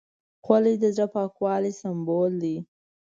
خولۍ د زړه پاکوالي سمبول ده.